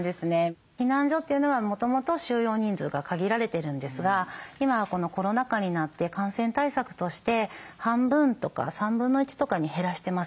避難所というのはもともと収容人数が限られてるんですが今はコロナ禍になって感染対策として半分とか３分の１とかに減らしてます。